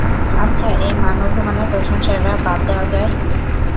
আচ্ছা, এই মান অভিমানের প্রসঙ্গটা বাদ দেয়া যায়?